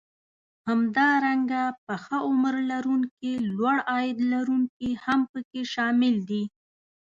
همدارنګه پخه عمر لرونکي لوړ عاید لرونکي هم پکې شامل دي